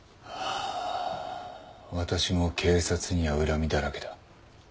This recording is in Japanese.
私も警察には恨みだらけだ。